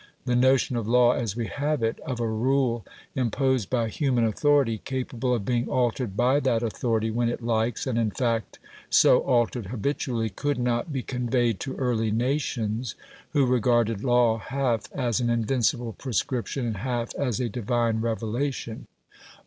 The notion of law as we have it of a rule imposed by human authority, capable of being altered by that authority, when it likes, and in fact, so altered habitually could not be conveyed to early nations, who regarded law half as an invincible prescription, and half as a Divine revelation.